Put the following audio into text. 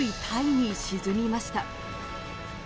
タイに沈みました。